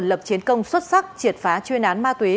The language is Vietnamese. lập chiến công xuất sắc triệt phá chuyên án ma túy